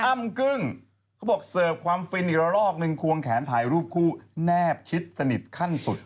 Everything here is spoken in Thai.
อ้ำกึ้งเขาบอกเสิร์ฟความฟินอีกละลอกนึงควงแขนถ่ายรูปคู่แนบชิดสนิทขั้นสุด